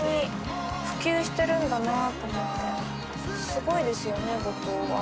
すごいですよね五島は。